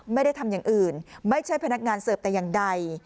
ไม่ได้ทำอย่างอื่นไม่ใช่พนักงานเสิร์ฟแต่อย่างใด